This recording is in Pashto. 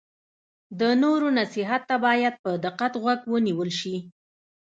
د نورو نصیحت ته باید په دقت غوږ ونیول شي.